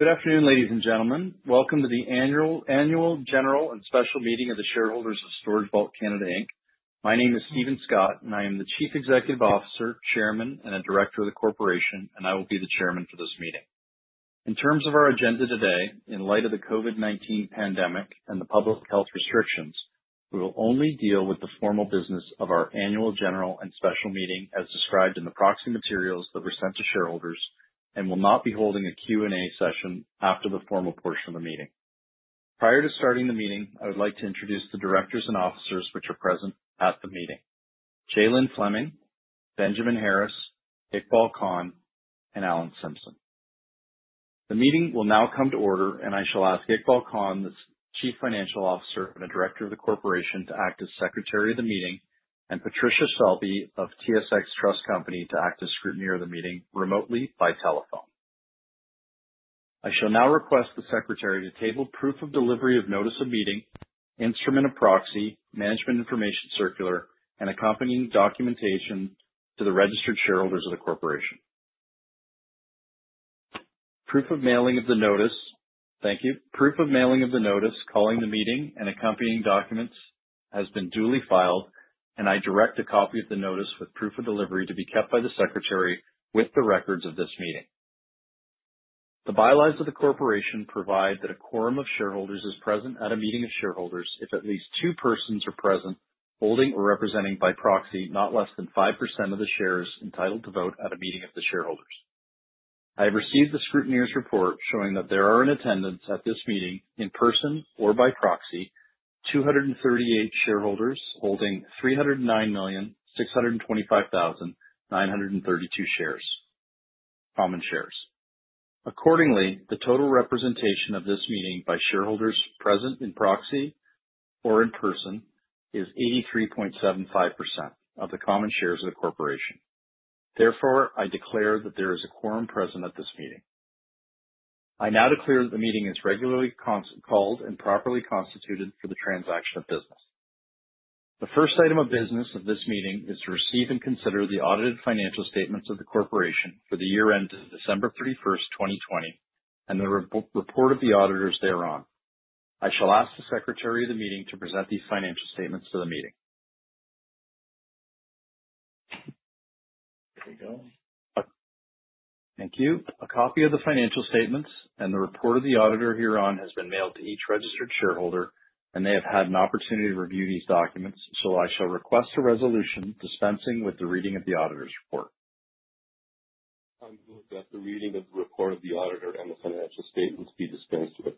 Good afternoon, ladies and gentlemen. Welcome to the annual general and special meeting of the shareholders of StorageVault Canada Inc. My name is Steven Scott, and I am the Chief Executive Officer, Chairman, and a Director of the corporation, and I will be the chairman for this meeting. In terms of our agenda today, in light of the COVID-19 pandemic and the public health restrictions, we will only deal with the formal business of our annual general and special meeting as described in the proxy materials that were sent to shareholders and will not be holding a Q&A session after the formal portion of the meeting. Prior to starting the meeting, I would like to introduce the directors and officers which are present at the meeting. Jay Lynne Fleming, Benjamin Harris, Iqbal Khan, and Alan Simpson. The meeting will now come to order, and I shall ask Iqbal Khan, the Chief Financial Officer and a Director of the corporation, to act as Secretary of the meeting, and Patricia Selby of TSX Trust Company to act as Scrutineer of the meeting remotely by telephone. I shall now request the Secretary to table proof of delivery of notice of meeting, instrument of proxy, management information circular, and accompanying documentation to the registered shareholders of the corporation. Proof of mailing of the notice calling the meeting and accompanying documents has been duly filed, and I direct a copy of the notice with proof of delivery to be kept by the Secretary with the records of this meeting. The bylaws of the corporation provide that a quorum of shareholders is present at a meeting of shareholders if at least two persons are present, holding or representing by proxy not less than 5% of the shares entitled to vote at a meeting of the shareholders. I have received the scrutineer's report showing that there are in attendance at this meeting in person or by proxy 238 shareholders holding 309,625,932 shares, common shares. Accordingly, the total representation of this meeting by shareholders present in proxy or in person is 83.75% of the common shares of the corporation. Therefore, I declare that there is a quorum present at this meeting. I now declare that the meeting is regularly called and properly constituted for the transaction of business. The first item of business of this meeting is to receive and consider the audited financial statements of the corporation for the year ended December 31st, 2020, and the report of the auditors thereon. I shall ask the Secretary of the meeting to present these financial statements to the meeting. Here we go. Thank you. A copy of the financial statements and the report of the auditor herein has been mailed to each registered shareholder, and they have had an opportunity to review these documents. I shall request a resolution dispensing with the reading of the auditor's report. I move that the reading of the report of the auditor and the financial statements be dispensed with.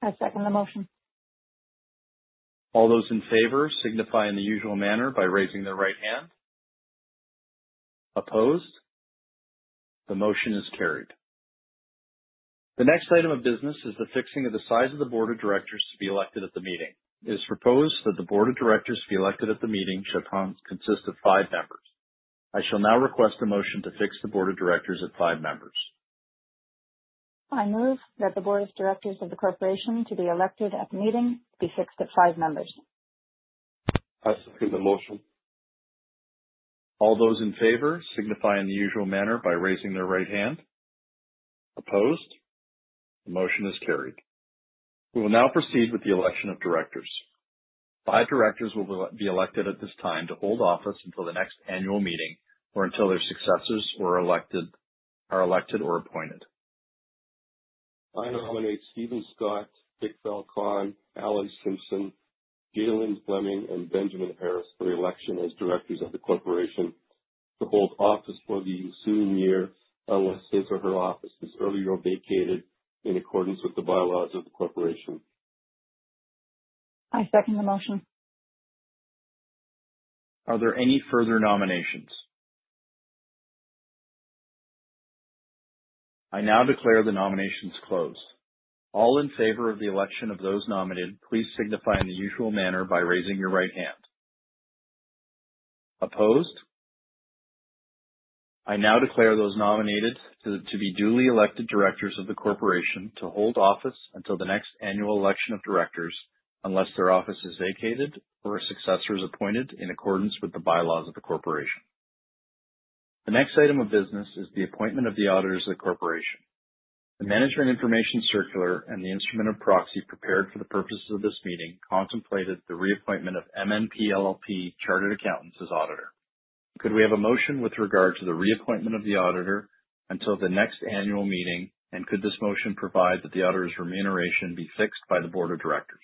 I second the motion. All those in favor signify in the usual manner by raising their right hand. Opposed? The motion is carried. The next item of business is the fixing of the size of the board of directors to be elected at the meeting. It is proposed that the board of directors be elected at the meeting shall consist of five members. I shall now request a motion to fix the board of directors of five members. I move that the board of directors of the corporation to be elected at the meeting be fixed at five members. I second the motion. All those in favor signify in the usual manner by raising their right hand. Opposed? The motion is carried. We will now proceed with the election of directors. Five directors will be elected at this time to hold office until the next annual meeting or until their successors are elected or appointed. I nominate Steven Scott, Iqbal Khan, Alan Simpson, Jay Lynne Fleming, and Benjamin Harris for the election as directors of the corporation to hold office for the ensuing year unless his or her office is earlier vacated in accordance with the bylaws of the corporation. I second the motion. Are there any further nominations? I now declare the nominations closed. All in favor of the election of those nominated, please signify in the usual manner by raising your right hand. Opposed? I now declare those nominated to be duly elected directors of the corporation to hold office until the next annual election of directors, unless their office is vacated or a successor is appointed in accordance with the bylaws of the corporation. The next item of business is the appointment of the auditors of the corporation. The management information circular and the instrument of proxy prepared for the purposes of this meeting contemplated the reappointment of MNP LLP Chartered Accountants as auditor. Could we have a motion with regard to the reappointment of the auditor until the next annual meeting, and could this motion provide that the auditor's remuneration be fixed by the board of directors?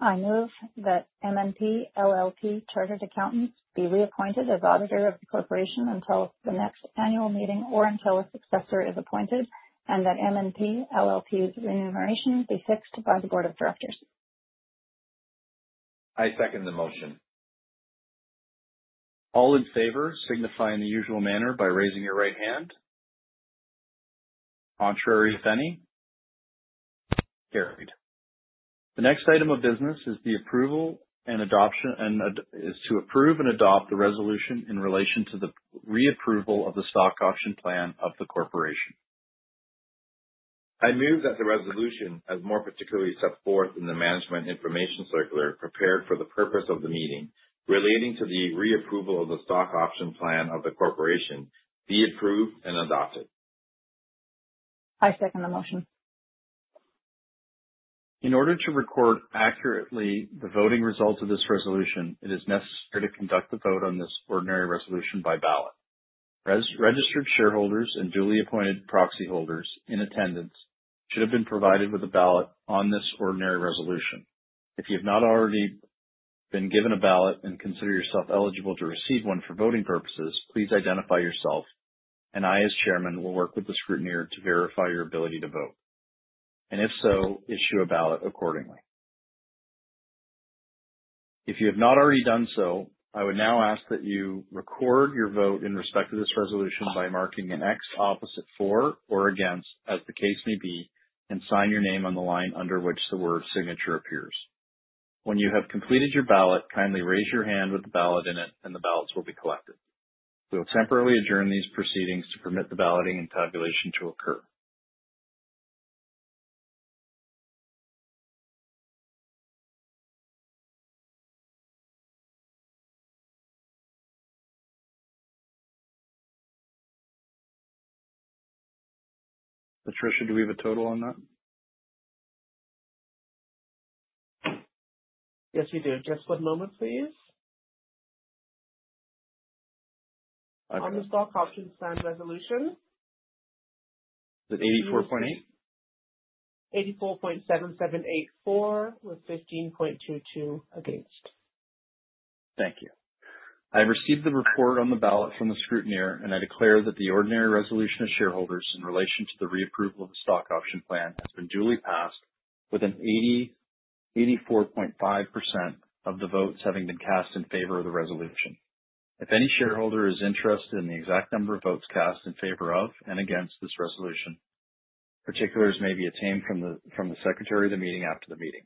I move that MNP LLP Chartered Accountants be reappointed as auditor of the corporation until the next annual meeting or until a successor is appointed, and that MNP LLP's remuneration be fixed by the board of directors. I second the motion. All in favor signify in the usual manner by raising your right hand. Contrary, if any? Carried. The next item of business is to approve and adopt the resolution in relation to the reapproval of the stock option plan of the corporation. I move that the resolution, as more particularly set forth in the management information circular prepared for the purpose of the meeting, relating to the reapproval of the stock option plan of the corporation be approved and adopted. I second the motion. In order to record accurately the voting results of this resolution, it is necessary to conduct the vote on this ordinary resolution by ballot. Registered shareholders and duly appointed proxy holders in attendance should have been provided with a ballot on this ordinary resolution. If you have not already been given a ballot and consider yourself eligible to receive one for voting purposes, please identify yourself, and I, as Chairman, will work with the scrutineer to verify your ability to vote, and if so, issue a ballot accordingly. If you have not already done so, I would now ask that you record your vote in respect to this resolution by marking an X opposite for or against, as the case may be, and sign your name on the line under which the word signature appears. When you have completed your ballot, kindly raise your hand with the ballot in it, and the ballots will be collected. We will temporarily adjourn these proceedings to permit the balloting and tabulation to occur. Patricia, do we have a total on that? Yes, we do. Just one moment, please. Okay. On the stock option plan resolution. Is it 84.8%? 84.7784%, with 15.22% against. Thank you. I have received the report on the ballot from the scrutineer, and I declare that the ordinary resolution of shareholders in relation to the reapproval of the stock option plan has been duly passed, with 84.5% of the votes having been cast in favor of the resolution. If any shareholder is interested in the exact number of votes cast in favor of and against this resolution, particulars may be attained from the secretary of the meeting after the meeting.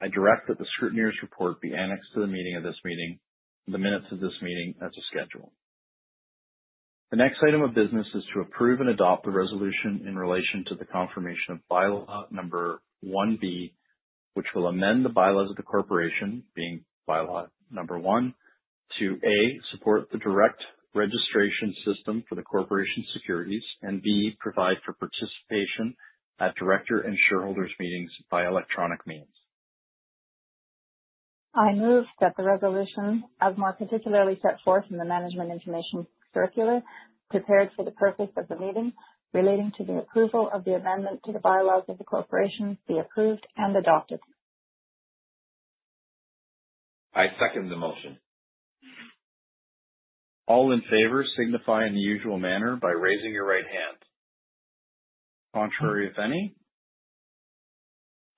I direct that the scrutineer's report be annexed to the minutes of this meeting as a schedule. The next item of business is to approve and adopt the resolution in relation to the confirmation of By-law No. 1B, which will amend the bylaws of the corporation, being By-law Number 1, to (A) support the direct registration system for the corporation securities, and (B) provide for participation at directors' and shareholders' meetings by electronic means. I move that the resolution, as more particularly set forth in the management information circular prepared for the purpose of the meeting, relating to the approval of the amendment to the by-laws of the corporation, be approved and adopted. I second the motion. All in favor signify in the usual manner by raising your right hand. Contrary, if any.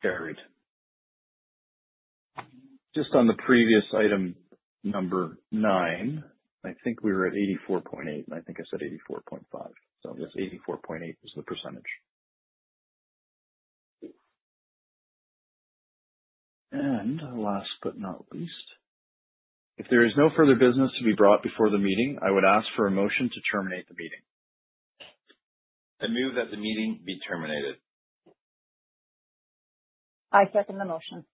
Carried. Just on the previous item, number nine, I think we were at 84.8%, and I think I said 84.5%. So just 84.8% is the percentage. Last but not least, if there is no further business to be brought before the meeting, I would ask for a motion to terminate the meeting. I move that the meeting be terminated. I second the motion.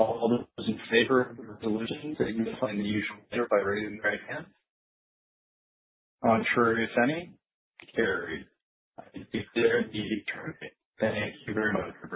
All those in favor of the resolution signify in the usual manner by raising their right hand. Contrary, if any. Carried. This meeting is terminated. Thank you very much, everyone.